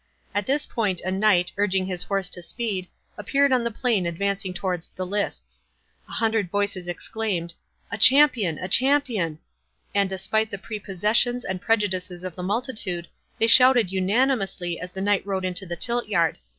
At this instant a knight, urging his horse to speed, appeared on the plain advancing towards the lists. A hundred voices exclaimed, "A champion! a champion!" And despite the prepossessions and prejudices of the multitude, they shouted unanimously as the knight rode into the tiltyard.